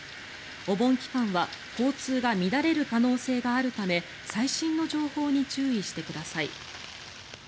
お盆期間は交通が乱れる可能性があるため最新の情報に注意してください。